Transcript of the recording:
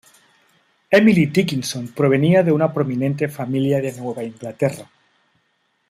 Emily Dickinson provenía de una prominente familia de Nueva Inglaterra.